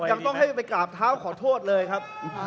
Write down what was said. ยังต้องให้ไปกราบเท้าขอโทษเลยครับ